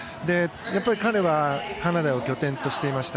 彼はカナダを拠点としていました。